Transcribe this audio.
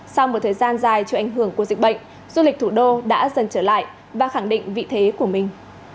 sau một thời gian dài chịu ảnh hưởng của dịch bệnh du lịch thủ đô đã dần trở lại và khẳng định vị thế của mình